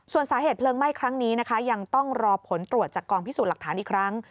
ส่วนสาเหตุเพลิงไหม้ครั้งนี้นะคะยังต้องรอผลตรวจจากกองพิสูจน์หลักฐานอีกครั้ง